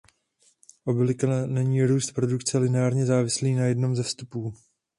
Obvykle není růst produkce lineárně závislý na jednom ze vstupů.